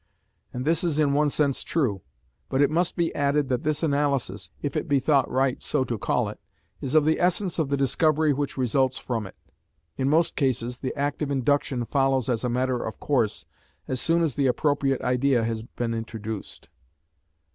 And this is in one sense true; but it must be added that this analysis, if it be thought right so to call it, is of the essence of the discovery which results from it. In most cases the act of induction follows as a matter of course as soon as the appropriate idea has been introduced."